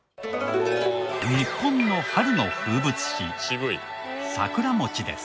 日本の春の風物詩桜餅です。